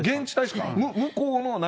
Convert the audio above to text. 向こうの何。